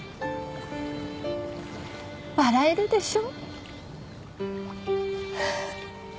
笑えるでしょ？